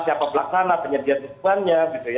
siapa belakang penyediaan sukuannya